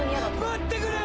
待ってくれ！